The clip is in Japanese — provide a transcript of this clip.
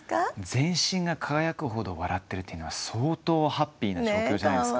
全身が輝くほど笑ってるっていうのは相当ハッピーな状況じゃないですか。